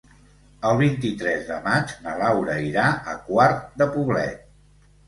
El vint-i-tres de maig na Laura irà a Quart de Poblet.